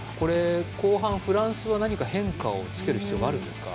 後半、フランスは何か変化をつける必要があるんですか？